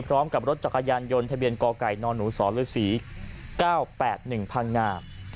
พร้อมกับรถจักรยานยนต์ทะเบียนกไก่นหนูสรศรี๙๘๑พังงา